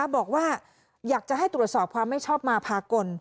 บอกว่าอยากจะให้ตรวจสอบความไม่ชอบมาพากล